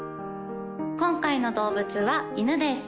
今回の動物は犬です